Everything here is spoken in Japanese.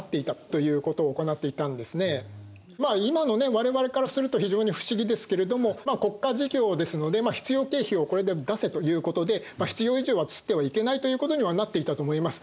我々からすると非常に不思議ですけれども国家事業ですので必要経費をこれで出せということで必要以上は刷ってはいけないということにはなっていたと思います。